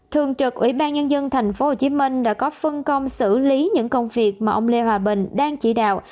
thường trực ủy ban nhân dân tp hcm đã có phân công xử lý những công việc mà ông lê hòa bình đang chỉ đạo